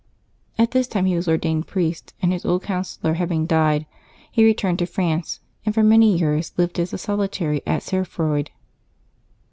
At this time he was ordained priest, and his old counsellor having died, he returned to France, and for many years lived as a solitary at Cerfroid.